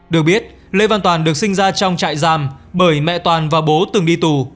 được biết lê văn toàn được sinh ra trong trại giam bởi mẹ toàn và bố từng đi tù